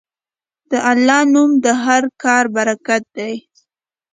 د الله نوم د هر کار برکت دی.